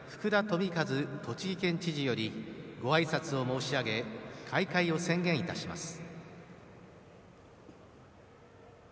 富一栃木県知事よりごあいさつを申し上げ開会を宣言いたします。